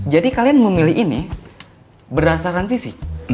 jadi kalian memilih ini berdasarkan fisik